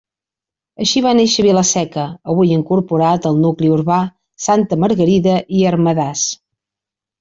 Així va néixer Vila-seca, avui incorporat al nucli urbà, Santa Margarida i Ermedàs.